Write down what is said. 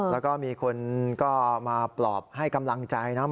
แล้วก็มีคนก็มาปลอบให้กำลังใจนะ